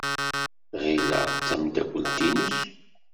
Ɣileɣ d tameddakelt-nnek.